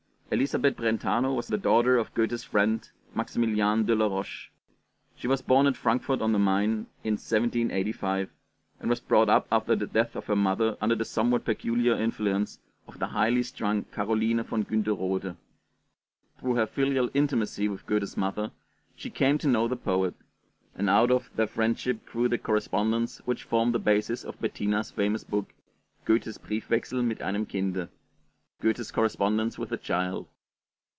[Illustration: ELISABETH BRENTANO] Elisabeth Brentano was the daughter of Goethe's friend, Maximiliane de la Roche. She was born at Frankfort on the Main in 1785, and was brought up after the death of her mother under the somewhat peculiar influence of the highly strung Caroline von Günderode. Through her filial intimacy with Goethe's mother, she came to know the poet; and out of their friendship grew the correspondence which formed the basis of Bettina's famous book, 'Goethe's Briefwechsel mit einem Kinde' (Goethe's Correspondence with a Child).